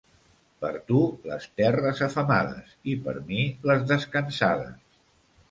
Per tu les terres afemades i per mi les descansades.